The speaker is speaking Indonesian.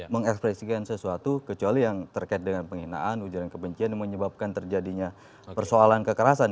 mengekspresikan sesuatu kecuali yang terkait dengan penghinaan ujaran kebencian yang menyebabkan terjadinya persoalan kekerasan